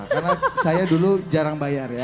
karena saya dulu jarang bayar ya